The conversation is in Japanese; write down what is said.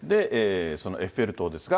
そのエッフェル塔ですが。